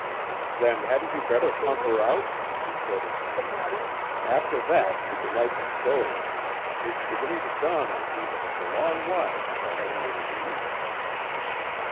"Then hadn't you better pump her out?" retorted Vane. "After that, you can light the stove. It's beginning to dawn on me that it's a long while since I had anything to eat."